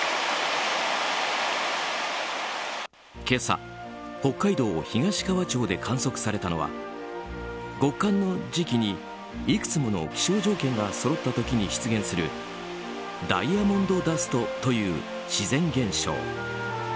今朝、北海道東川町で観測されたのは極寒の時期にいくつもの気象条件がそろった時に出現するダイヤモンドダストという自然現象。